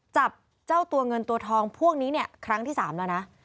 จับเจ้าตัวเงินตัวทองพวกนี้เนี่ยครั้งที่๓แล้วนะ